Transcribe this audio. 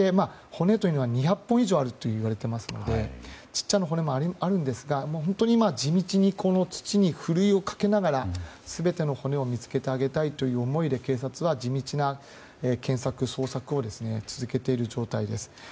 骨というのは２００本以上あるといわれているので小さな骨もあるんですが本当に地道にふるいにかけながら全ての骨を見つけてあげたいという思いで警察は地道な検索、捜索を続けている状態です。